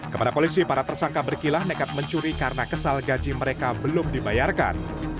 kepada polisi para tersangka berkilah nekat mencuri karena kesal gaji mereka belum dibayarkan